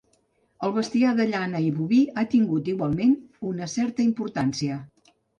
El bestiar de llana i boví ha tingut, igualment, una certa importància.